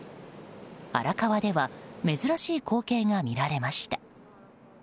荒川では珍しい光景が見られました。